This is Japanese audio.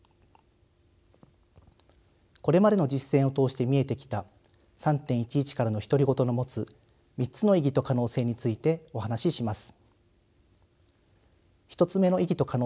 これまでの実践を通して見えてきた「３．１１からの独り言」の持つ３つの意義と可能性についてお話しします。